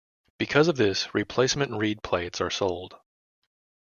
Because of this, replacement reed plates are sold.